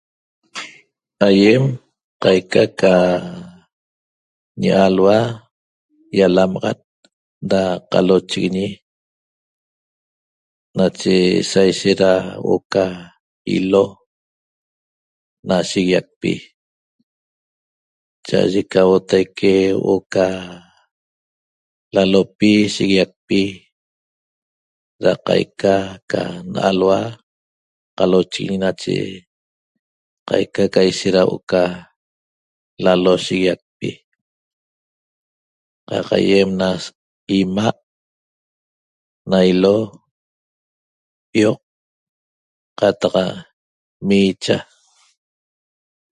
Aiem qaica ca ñi alhua ialamaxat da qalochiguiñi nache saishet ra huo'o ca ilo na shiguiacpi cha'aye ca huotaique huo'o ca lalopi shiguiacpi ra qaica ca nalhua qalochiguiñi nache qaica ca ishet lalo shiguiacpi qaq aiem na ima' na ilo pioq qataq miicha